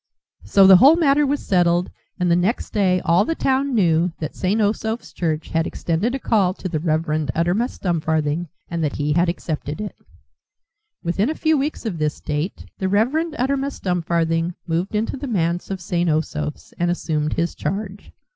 So the whole matter was settled, and next day all the town knew that St. Osoph's Church had extended a call to the Rev. Uttermust Dumfarthing, and that he had accepted it. Within a few weeks of this date the Reverend Uttermust Dumfarthing moved into the manse of St. Osoph's and assumed his charge.